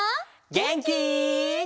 げんき？